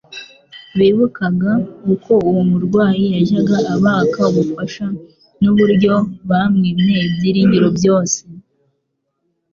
Bibukaga uko uwo murwayi yajyaga abaka ubufasha n'uburyo bamwimye ibyiringiro byose,